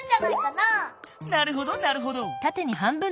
なるほどなるほど。